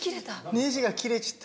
ネジが切れちゃった。